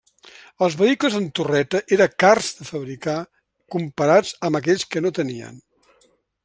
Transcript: Els vehicles amb torreta era cars de fabricar comparats amb aquells que no tenien.